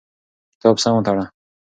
کتاب سم وتړه.